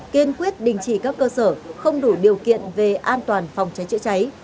kiên quyết đình chỉ các cơ sở không đủ điều kiện về an toàn phòng cháy chữa cháy